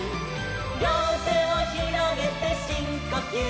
「りょうてをひろげてしんこきゅう」